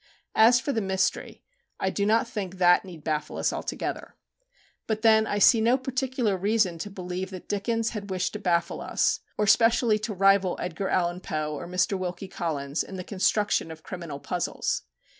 As for the "mystery," I do not think that need baffle us altogether. But then I see no particular reason to believe that Dickens had wished to baffle us, or specially to rival Edgar Allan Poe or Mr. Wilkie Collins in the construction of criminal puzzles.